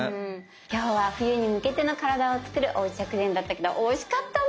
今日は冬に向けての体を作るおうち薬膳だったけどおいしかったね。